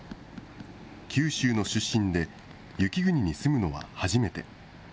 九州の出身で、雪国に住むのは初めて。